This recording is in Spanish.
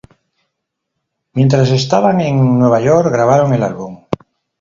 Mientras estaban en Nueva York, grabaron el álbum.